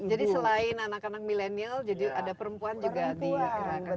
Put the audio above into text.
jadi selain anak anak milenial jadi ada perempuan juga dikerakan